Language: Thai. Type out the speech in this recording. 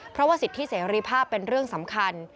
เพราะว่าสิทธิเสรีภาพเป็นเรื่องสำคัญ